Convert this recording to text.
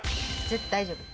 大丈夫。